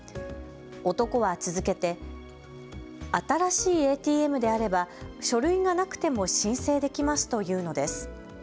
男は続けて新しいＡＴＭであれば書類がなくても申請できますと言うのです。